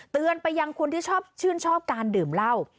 เตือนไปยังคนที่ชอบชื่นชอบการดื่มเหล้า